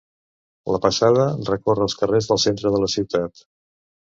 La Passada recorre els carrers del centre de la ciutat.